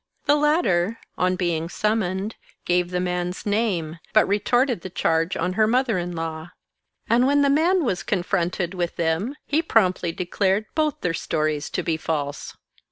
The latter, on being summoned, gave the man's name, but re torted the charge on her mother in law ; and when the man was confronted with them, he promptly declared both their stories to be false.